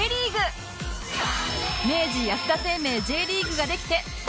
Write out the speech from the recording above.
明治安田生命 Ｊ リーグができて３０年目